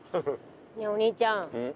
ねえお兄ちゃんうん？